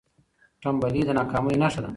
ټنبلي د ناکامۍ نښه ده.